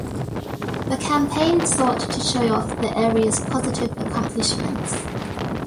The campaign sought to show off the area's positive accomplishments.